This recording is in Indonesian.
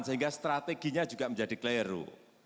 sehingga strateginya juga menjadi keleru